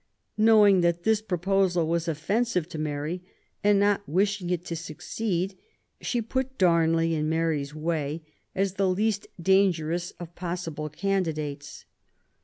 Knowing that this proposal was offensive to Mary, and not wishing it to succeed, she put Darnley in Mary's way, as the least dangerous of possible candidates.